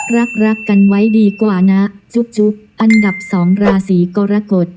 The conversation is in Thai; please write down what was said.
รักรักกันไว้ดีกว่านะจุ๊บอันดับ๒ราศีกรกฎ